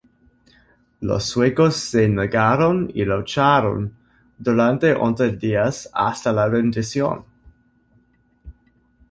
Los suecos se negaron y lucharon durante once días hasta la rendición.